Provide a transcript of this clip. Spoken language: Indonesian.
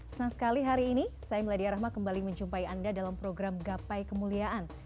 senang sekali hari ini saya meladia rahma kembali menjumpai anda dalam program gapai kemuliaan